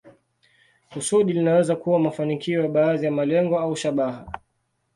Kusudi linaweza kuwa mafanikio ya baadhi ya malengo au shabaha.